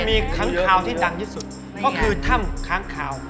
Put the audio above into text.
เพราะคือถ้ำค้างข่าว